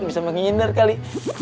bisa menghindar kali